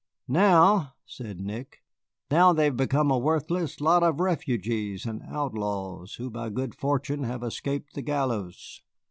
"Now," said Nick, "now they are become a worthless lot of refugees and outlaws, who by good fortune have escaped the gallows."